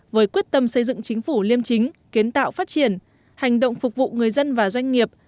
với quyết tâm xây dựng chính phủ liêm chính kiến tạo phát triển hành động phục vụ người dân và doanh nghiệp